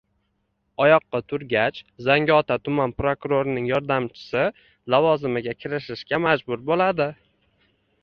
Oyoqqa turgach Zangiota tuman prokurorining yordamchisi lavozimiga kirishishga majbur bo‘ladi.